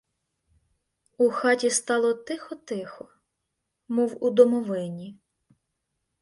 У хаті стало тихо-тихо, мов у домовині.